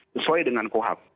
sesuai dengan kohab